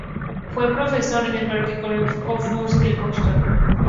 Fue profesor en el "Berklee College of Music" de Boston.